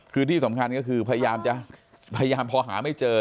คือที่สำคัญก็คือพยายามจะพยายามพอหาไม่เจอ